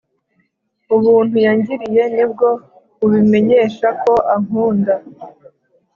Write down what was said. Ubuntu yangiriye nibwo bubimenyesha ko ankunda